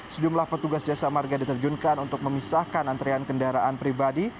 sejumlah petugas jasa marga diterjunkan untuk memisahkan antrean kendaraan pribadi